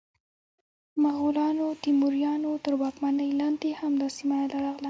د مغولانو، تیموریانو تر واکمنۍ لاندې هم دا سیمه راغله.